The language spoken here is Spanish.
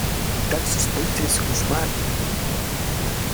¡ ni tal sospeches, Guzmán!